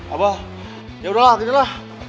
abah yaudah lah gini lah